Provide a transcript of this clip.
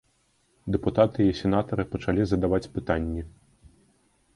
Дэпутаты і сенатары пачалі задаваць пытанні.